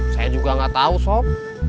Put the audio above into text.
saya juga gak tau sob